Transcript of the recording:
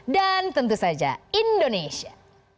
dan tentu saja indonesia